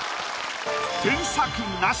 添削なし！